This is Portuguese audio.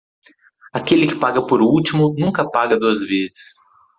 Aquele que paga por último nunca paga duas vezes.